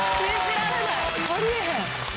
あり得へん。